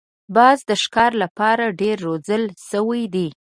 باز د ښکار لپاره ډېر روزل شوی دی